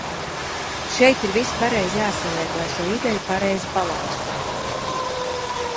Šeit ir viss pareizi jāsaliek, lai šo ideju pareizi palaistu.